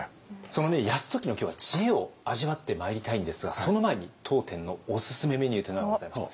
その泰時の今日は知恵を味わってまいりたいんですがその前に当店のおすすめメニューというのがございます。